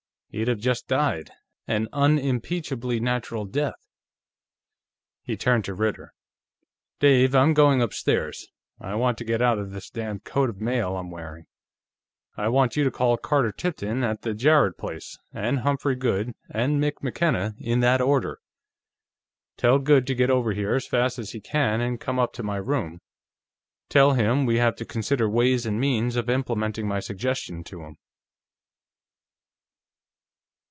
He'd have just died, an unimpeachably natural death." He turned to Ritter. "Dave, I'm going upstairs; I want to get out of this damned coat of mail I'm wearing. While I'm doing it, I want you to call Carter Tipton, at the Jarrett place, and Humphrey Goode, and Mick McKenna, in that order. Tell Goode to get over here as fast as he can, and come up to my room; tell him we have to consider ways and means of implementing my suggestion to him."